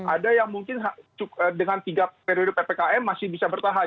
ada yang mungkin dengan tiga periode ppkm masih bisa bertahan